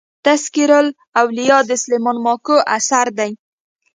تذکرة الاولياء د سلېمان ماکو اثر دئ.